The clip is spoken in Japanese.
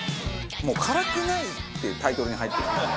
もう「辛くない」ってタイトルに入ってる。